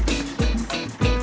terima kasih bang